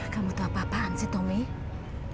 kamu tuh apa apaan sih tommy